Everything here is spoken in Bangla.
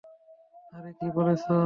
আরে কি বলছো?